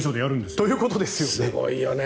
ということですよね。